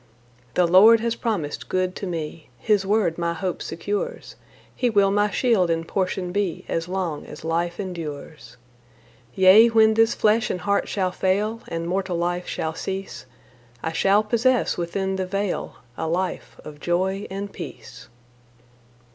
The Lord has promised good to me His word my hope secures; He will my shield and portion be, As long as life endures. Yea, when this flesh and heart shall fail, And mortal life shall cease, I shall possess within the veil, A life of joy and peace.